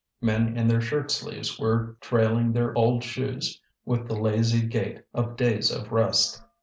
Men in their shirt sleeves were trailing their old shoes with the lazy gait of days of rest.